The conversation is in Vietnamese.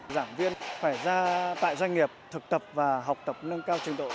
giảng viên phải ra tại doanh nghiệp thực tập và học tập nâng cao trình độ